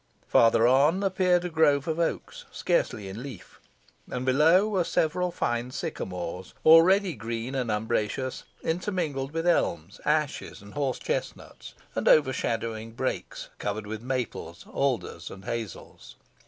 Further on appeared a grove of oaks scarcely in leaf; and below were several fine sycamores, already green and umbrageous, intermingled with elms, ashes, and horse chestnuts, and overshadowing brakes, covered with maples, alders, and hazels.